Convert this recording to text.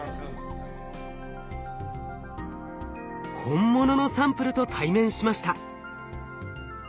本物のサンプルと対面しました。